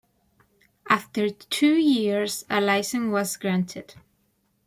After two years a licence was granted.